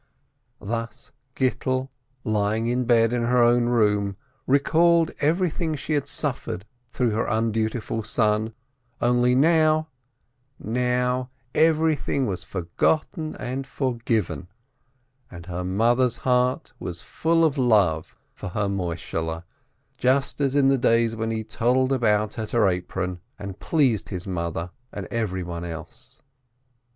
Thus Gittel, lying in bed in her own room, recalled everything she had suffered through her undutiful son, only now — now everything was forgotten and forgiven, and her mothers heart was full of love for her Moi shehle, just as in the days when he toddled about at her apron, and pleased his mother and everyone else.